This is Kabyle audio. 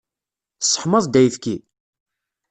Tesseḥmaḍ-d ayefki?